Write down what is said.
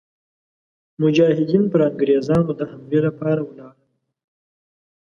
مجاهدین پر انګرېزانو د حملې لپاره ولاړل.